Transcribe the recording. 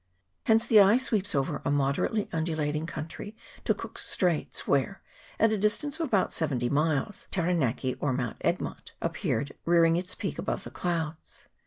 Hence the eye sweeps over a moderately undulating country to Cook's Straits, where, at a distance of about seventy miles, Tara naki, or Mount Egmont, appeared rearing its peak above the clouds.